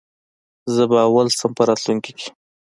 زه به اول شم په راتلونکې کي